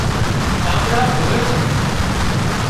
ٺانٻڙان ڌووي سي